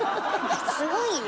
すごいね。